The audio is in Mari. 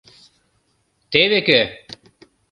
Теве кӧ!